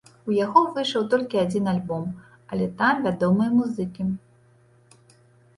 У яго выйшаў толькі адзін альбом, але там вядомыя музыкі.